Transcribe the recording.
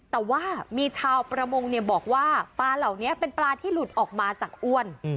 แต่ว่ามีชาวประมงบอกว่าปลาเหล่านี้เป็นปลาที่หลุดออกมาจากอ้วน